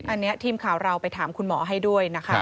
อันนี้ทีมข่าวเราไปถามคุณหมอให้ด้วยนะคะ